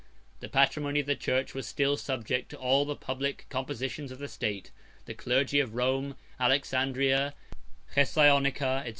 107 The patrimony of the church was still subject to all the public compositions of the state. 108 The clergy of Rome, Alexandria, Chessaionica, &c.